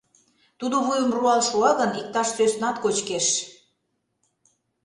Тудо вуйым руал шуа гын, иктаж сӧснат кочкеш.